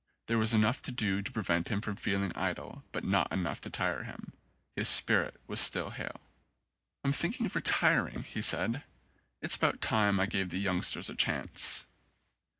There was enough to do to prevent him from feeling idle, but not enough to tire him. His spirit was still hale. "I'm thinking of retiring," he said, "it's about time I gave the youngsters a chance."